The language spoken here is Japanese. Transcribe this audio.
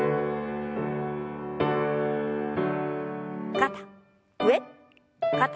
肩上肩下。